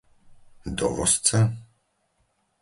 Dovozca?